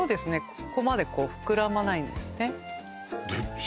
ここまでこう膨らまないんですね